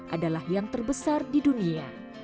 adalah yang terbesar di dunia